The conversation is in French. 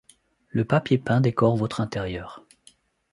le papier peint décore votre intérieur